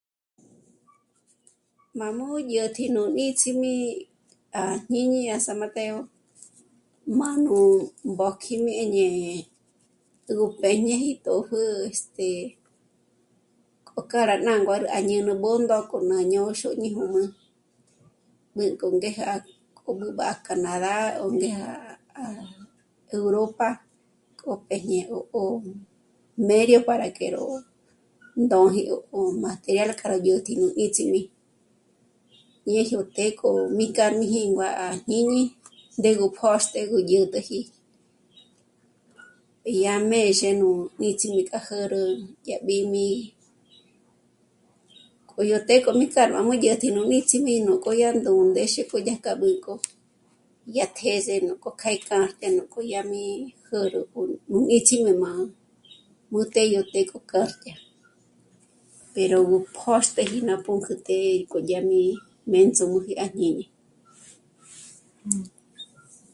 Má mù'u yó tǐ'i ní níts'imi à jñíñi à San Mateo, má nú mbójkjijmi ñé'e o b'éñeji tòpjü este, k'o k'a rá ná nguârü a ñú'u nú Bṓndo k'o ñá ñô'o xóñi jùm'ü, b'ǘnk'o ngéja k'o b'ǚb'ü à Canadá ó ngéja à Europa k'o péjñe 'o, 'o mério para que ró ndǒji 'o, 'o material k'a rá dyä̀tji nú níts'imi, ñe yó të́'ë k'o mí k'ar mí jingúa à jñíñi ndégo póxtjü gó dyä̀t'äji. I yá měxe nú níts'imi k'a jä̀rä yá b'íjmi, k'o yó të́'ë k'o mí k'â'a ró mó'o dyä̀tji nú nítsjimi núk'o yá ndū̌'ū ndéxe k'o dyájk'a b'ǘnk'o, yá tjë̌ze núk'o kjâ'a í kjâ'a e núk'o yá mí jä̀rä ó nú níts'imi má nú të́'ë yó të́'ë k'o kjârdya, pero póxtüji ná pǔnk'ü të́'ë k'o dyá mí m'éndzǔm'u à jñiñi